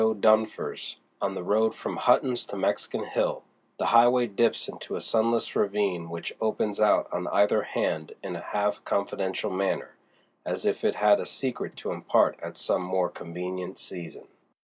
Dunfer's, on the road from Hutton's to Mexican Hill, the highway dips into a sunless ravine which opens out on either hand in a half confidential manner, as if it had a secret to impart at some more convenient season.